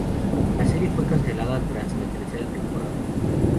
La serie fue cancelada tras la tercera temporada.